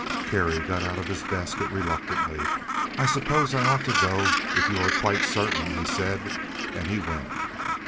Kerry got out of his basket reluctantly. "I suppose I ought to go, if you are quite certain," he said; and he went.